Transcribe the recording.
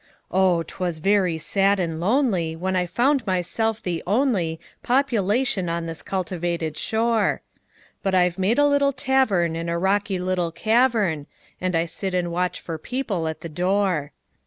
Oh! 'twas very sad and lonelyWhen I found myself the onlyPopulation on this cultivated shore; But I 've made a little tavernIn a rocky little cavern, And I sit and watch for people at the door.